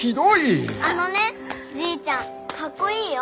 あのねじいちゃんかっこいいよ。